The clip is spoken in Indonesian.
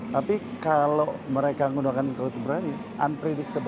tapi kalau mereka menggunakan kode berani unpredictable